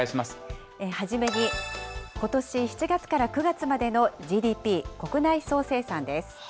初めに、ことし７月から９月までのＧＤＰ・国内総生産です。